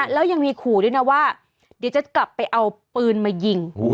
แล้วยังมีขู่ด้วยนะว่าเดี๋ยวจะกลับไปเอาปืนมายิง